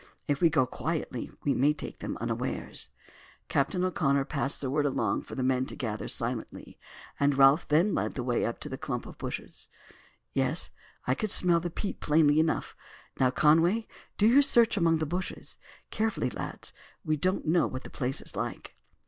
If we go quietly we may take them unawares." Captain O'Connor passed the word along for the men to gather silently, and Ralph then led the way up to the clump of bushes. "Yes, I can smell the peat plainly enough. Now, Conway, do you search among the bushes. Carefully, lad; we don't know what the place is like."